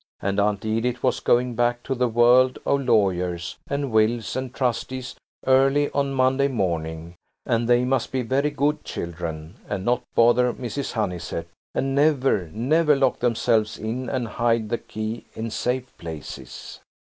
And Aunt Edith was going back to the world of lawyers, and wills, and trustees, early on Monday morning, and they must be very good children, and not bother Mrs. Honeysett, and never, never lock themselves in and hide the key in safe places.